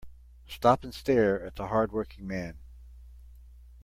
Stop and stare at the hard working man.